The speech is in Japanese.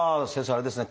あれですね